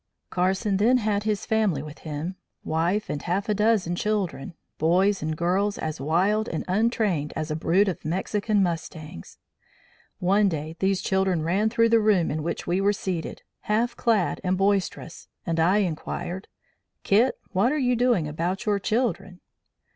"Carson then had his family with him wife and half a dozen children, boys and girls as wild and untrained as a brood of Mexican mustangs. One day these children ran through the room in which we were seated, half clad and boisterous, and I inquired, 'Kit, what are you doing about your children?'